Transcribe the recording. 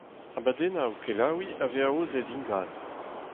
Abadennoù kelaouiñ a vez aozet ingal.